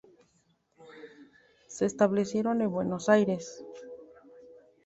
Se establecieron en Buenos Aires.